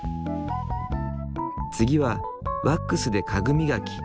次はワックスで家具磨き。